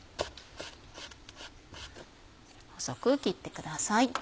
細く切ってください。